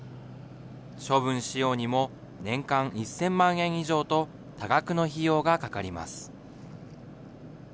処分しようにも年間１０００万円以上と、多額の費用がかかります。